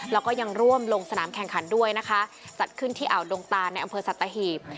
แล้วก็ยังร่วมลงสนามแข่งขันด้วยนะคะจัดขึ้นที่อ่าวดงตานในอำเภอสัตหีบ